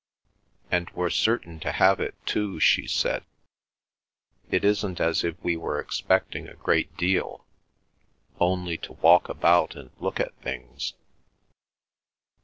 "And we're certain to have it too," she said. "It isn't as if we were expecting a great deal—only to walk about and look at things."